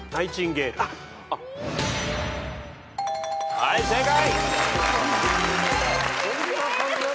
はい正解。